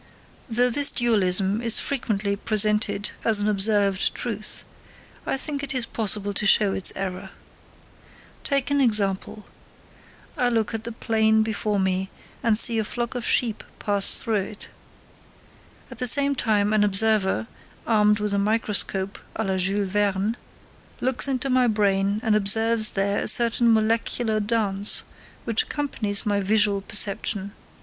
Though this dualism is frequently presented as an observed truth, I think it is possible to show its error. Take an example: I look at the plain before me, and see a flock of sheep pass through it. At the same time an observer, armed with a microscope à la Jules Verne, looks into my brain and observes there a certain molecular dance which accompanies my visual perception.